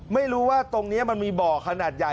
ไม่รู้ว่าตรงนี้มันมีบ่อขนาดใหญ่